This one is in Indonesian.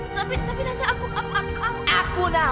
tapi tapi tanya aku